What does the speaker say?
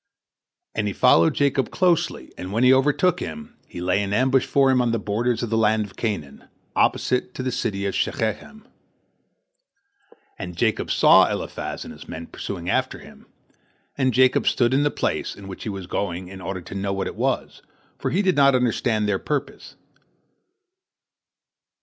And he followed Jacob closely, and when he overtook him, he lay in ambush for him on the borders of the land of Canaan, opposite to the city of Shechem. And Jacob saw Eliphaz and his men pursuing after him, and Jacob stood in the place in which he was going in order to know what it was, for he did not understand their purpose.